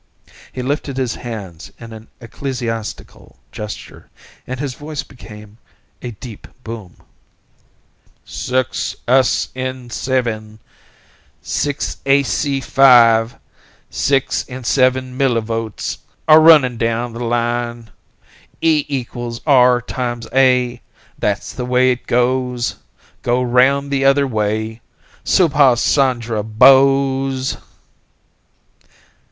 He lifted his hands in an ecclesiastical gesture, and his voice became a deep boom. "6SN7, 6ac5, six and seven millivolts are running down the line, E equals R times A, that's the way it goes, go round the other way, Subhas Chandra BOSE!"